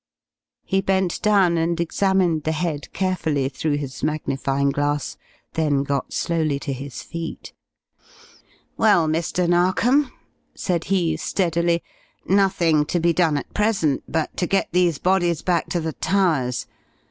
He bent down and examined the head carefully through his magnifying glass, then got slowly to his feet. "Well, Mr. Narkom," said he, steadily, "nothing to be done at present, but to get these bodies back to the Towers.